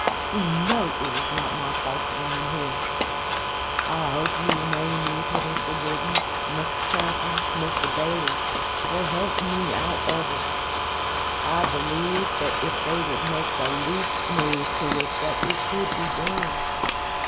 You know it was not my fault that I am here. I hope you will name me to Mr. Geden, Mr. Chaplin, Mr. Bailey, to help me out of it. I believe that if they would make the least move to it that it could be done.